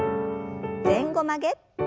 前後曲げ。